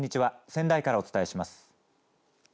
仙台からお伝えします。